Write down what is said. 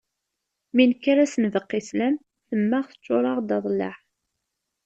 Mi nekker ad as-nbeqqi sslam temmeɣ teččur-aɣ-d aḍellaɛ n